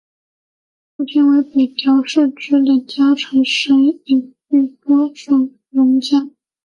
父亲为北条氏直的家臣神尾伊予守荣加。